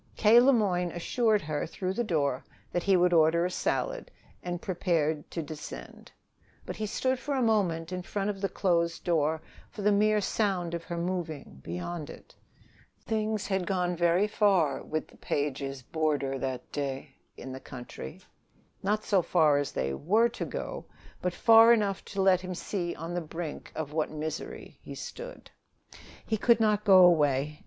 K. Le Moyne assured her through the door that he would order a salad, and prepared to descend. But he stood for a moment in front of the closed door, for the mere sound of her moving, beyond it. Things had gone very far with the Pages' roomer that day in the country; not so far as they were to go, but far enough to let him see on the brink of what misery he stood. He could not go away.